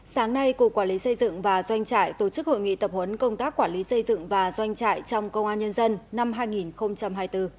sáng nay cục quản lý xây dựng và doanh trại tổ chức hội nghị tập huấn công tác quản lý xây dựng và doanh trại trong công an nhân dân năm hai nghìn hai mươi bốn